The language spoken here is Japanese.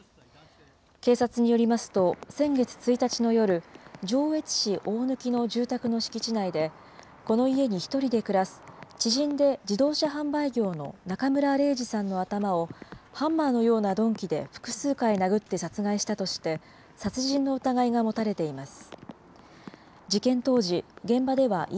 警察によりますと、先月１日の夜、上越市大貫の住宅の敷地内で、この家に１人で暮らす知人で自動車販売業の中村礼治さんの頭を、ハンマーのような鈍器で複数回殴って殺害したとして、殺人の疑いが持たれています。